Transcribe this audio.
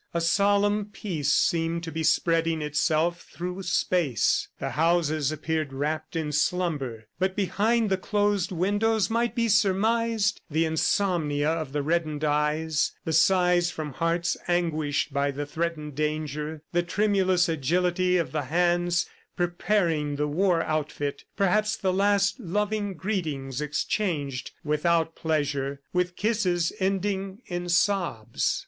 A solemn peace seemed to be spreading itself through space. The houses appeared wrapped in slumber, but behind the closed windows might be surmised the insomnia of the reddened eyes, the sighs from hearts anguished by the threatened danger, the tremulous agility of the hands preparing the war outfit, perhaps the last loving greetings exchanged without pleasure, with kisses ending in sobs.